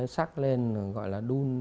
sắc lên gọi là đun